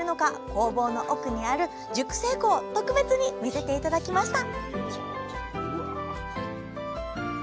工房の奥にある熟成庫を特別に見せて頂きました